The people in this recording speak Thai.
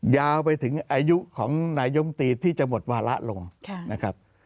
ยาวไปถึงอายุของนายมตรีที่จะหมดวาระลงนะครับ